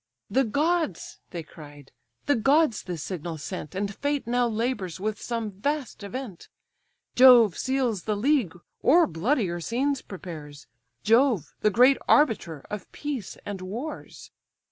"The gods (they cried), the gods this signal sent, And fate now labours with some vast event: Jove seals the league, or bloodier scenes prepares; Jove, the great arbiter of peace and wars."